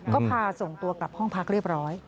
ก็พาส่งตัวกลับห้องพักเรียบร้อย